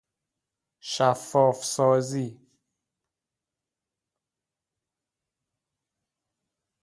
شفاف سازی